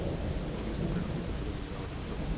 Komise bude na tomto problému nadále pracovat.